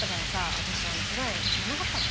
私披露宴やんなかったもん。